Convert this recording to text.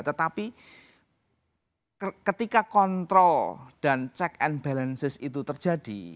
tetapi ketika kontrol dan check and balances itu terjadi